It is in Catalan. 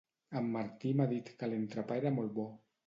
En Martí m'ha dit que l'entrepà era molt bo.